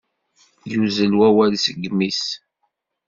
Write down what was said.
Yuzzel wawal deg yimi-s.